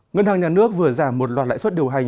ngân hàng nhà nước vừa giảm một loạt lãi suất điều hành